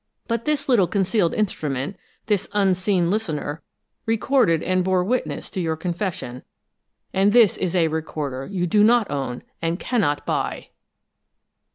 But this little concealed instrument this unseen listener recorded and bore witness to your confession; and this is a Recorder you do not own, and cannot buy!"